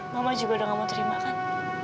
mama juga udah gak mau terima kan